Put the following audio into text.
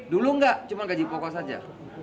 dulu enggak cuma gaji pokok saja